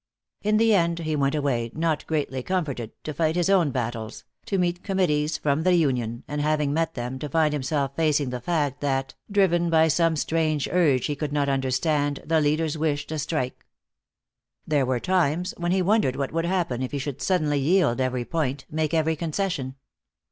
In the end he went away not greatly comforted, to fight his own battles, to meet committees from the union, and having met them, to find himself facing the fact that, driven by some strange urge he could not understand, the leaders wished a strike. There were times when he wondered what would happen if he should suddenly yield every point, make every concession.